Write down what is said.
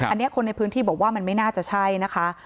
อันนี้คนในพื้นที่บอกว่ามันไม่น่าจะใช่นะคะ